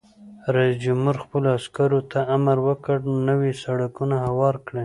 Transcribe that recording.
رئیس جمهور خپلو عسکرو ته امر وکړ؛ نوي سړکونه هوار کړئ!